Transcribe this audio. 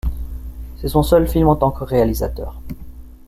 C'est son seul film en tant que réalisateur.